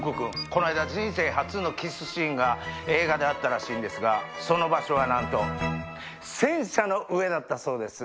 こないだ人生初のキスシーンが映画であったらしいんですがその場所はなんと戦車の上だったそうです。